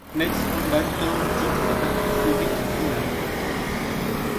Metz Handball, tenant du titre, a battu Fleury en finale.